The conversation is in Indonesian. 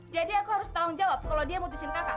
jadi aku harus tanggung jawab kalo dia mutusin kakak